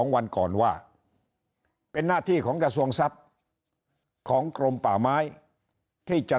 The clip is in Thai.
วันก่อนว่าเป็นหน้าที่ของกระทรวงทรัพย์ของกรมป่าไม้ที่จะ